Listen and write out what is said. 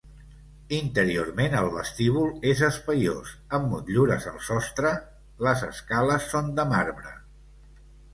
Interiorment el vestíbul és espaiós, amb motllures al sostre, les escales són de marbre.